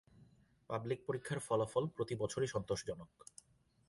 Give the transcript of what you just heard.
Public পরীক্ষার ফলাফল প্রতি বছর-ই সন্তোষজনক।